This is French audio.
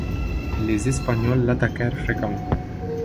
Les Espagnols l'attaquèrent fréquemment.